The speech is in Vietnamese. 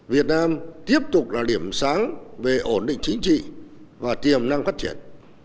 việt nam tiếp tục là điểm sáng về ổn định chính trị và tiềm năng phát triển